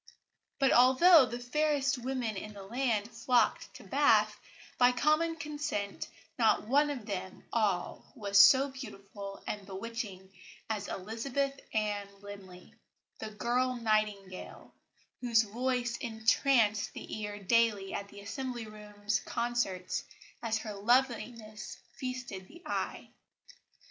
But although the fairest women in the land flocked to Bath, by common consent not one of them all was so beautiful and bewitching as Elizabeth Ann Linley, the girl nightingale, whose voice entranced the ear daily at the Assembly Rooms concerts as her loveliness feasted the eye.